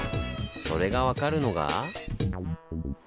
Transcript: それが分かるのが。